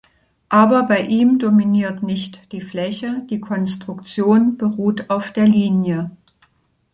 Aber bei ihm dominiert nicht die Fläche, die Konstruktion beruht auf der Linie.